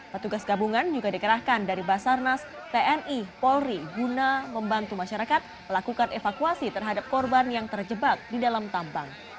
petugas gabungan juga dikerahkan dari basarnas tni polri guna membantu masyarakat melakukan evakuasi terhadap korban yang terjebak di dalam tambang